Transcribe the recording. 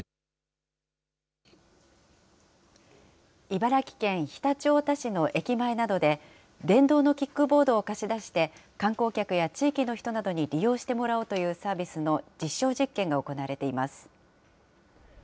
茨城県常陸太田市の駅前などで、電動のキックボードを貸し出して、観光客や地域の人などに利用してもらおうというサービスの実証実験が行われています。